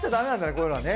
こういうのはね。